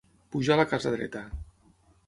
Pujar la casa dreta.